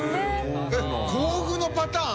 ┐甲府のパターン？